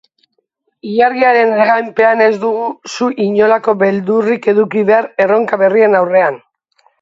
Ilargiaren eraginpean ez duzu inolako beldurrik eduki behar erronka berrien aurrean.